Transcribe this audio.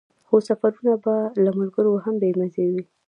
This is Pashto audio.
خو سفرونه بې له ملګرو هم بې مزې وي.